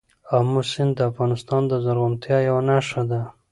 آمو سیند د افغانستان د زرغونتیا یوه نښه ده.